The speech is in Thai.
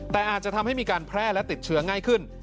แต่อาจจะทำให้มีการแพร่และติดเชื้อง่ายขึ้น